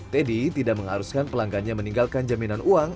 teddy tidak mengharuskan pelanggannya meninggalkan jaminan uang